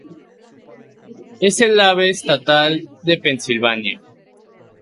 Es el ave estatal de Pensilvania.